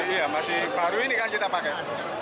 iya masih baru ini kan kita pakai